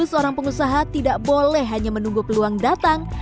seorang pengusaha tidak boleh hanya menunggu peluang datang